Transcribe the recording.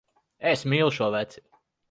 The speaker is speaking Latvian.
Es mīlu šo veci.